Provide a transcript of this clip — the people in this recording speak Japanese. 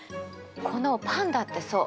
このパンだってそう。